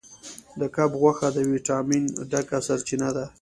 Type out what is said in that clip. د کب غوښه د ویټامین ډکه سرچینه ده.